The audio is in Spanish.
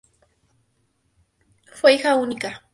Fue hija única.